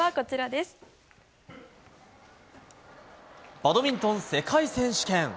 バドミントン世界選手権。